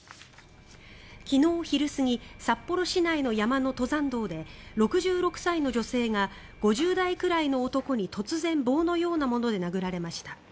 昨日昼過ぎ札幌市内の山の登山道で６６歳の女性が５０代ぐらいの男に突然、棒のようなもので殴られました。